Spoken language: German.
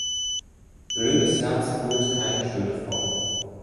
Blödes Herz buhlt keine schöne Frau